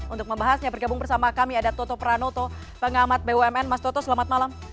untuk membahasnya bergabung bersama kami ada toto pranoto pengamat bumn mas toto selamat malam